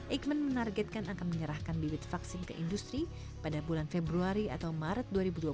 eijkman menargetkan akan menyerahkan bibit vaksin ke industri pada bulan februari atau maret dua ribu dua puluh